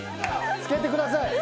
つけてください。